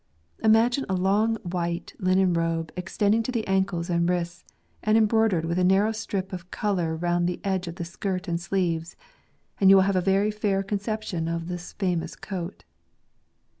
Imagine a long white linen robe extending to the ankles and wrists, and em broidered with a narrow stripe of colour round the edge of the skirt and sleeves, and you will have a very fair conception of this famous coat.